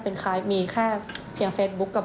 เป็นใครมีแค่เพียงเฟสบุ๊คกับ